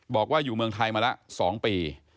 บอกว่าอยู่เมืองไทยมาละ๒ปี